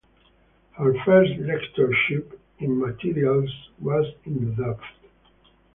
Her first lectureship in materials was in the Dept.